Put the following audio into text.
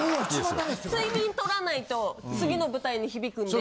睡眠とらないと次の舞台に響くんで。